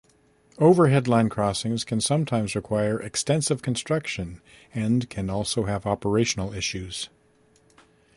Overhead line crossings can sometimes require extensive construction and can also have operational issues.